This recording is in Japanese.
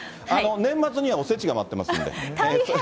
年末にはおせちが待ってますんで。